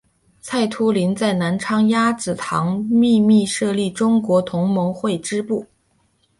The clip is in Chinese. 蔡突灵在南昌鸭子塘秘密设立中国同盟会支部。